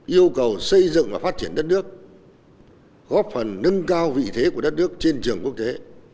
yêu cầu xây dựng và phát triển đất nước góp phần nâng cao vị thế của đất nước trên trường quốc tế